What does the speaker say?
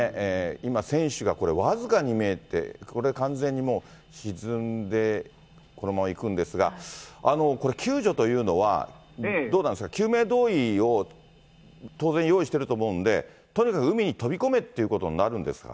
今、船首がこれ、僅かに見えて、これ、完全に沈んでこのままいくんですが、これ、救助というのはどうなんですか、救命胴衣を当然用意してると思うので、とにかく海に飛び込めっていうことになるんですか？